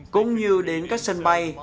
cũng như đến các sân bay